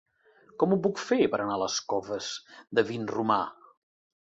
Com ho puc fer per anar a les Coves de Vinromà?